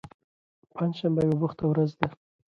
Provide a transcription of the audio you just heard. پنجشنبه یوه بوخته ورځ ده.